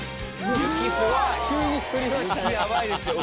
雪ヤバいですよ。